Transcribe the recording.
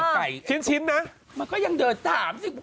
ไก่ชิ้นนะมันก็ยังเดินตามสิ